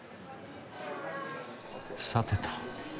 さてと。